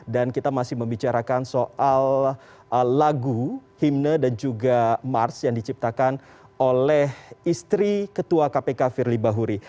kita masih membicarakan soal lagu himne dan juga mars yang diciptakan oleh istri ketua kpk firly bahuri